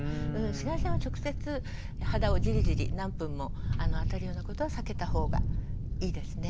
紫外線は直接肌をじりじり何分も当てるようなことは避けた方がいいですね。